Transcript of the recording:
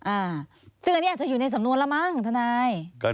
อ่าซื้อนี้อาจจะอยู่ในสำนวนละมั้งทนาย